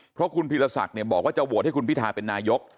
เพราะคุณพีรศักดิ์บอกว่าจะโหวตให้คุณพิทาเป็นนายก